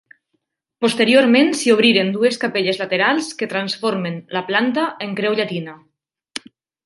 Posteriorment s'hi obriren dues capelles laterals que transformen la planta en creu llatina.